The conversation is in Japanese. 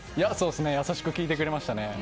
優しく聞いてくれましたね。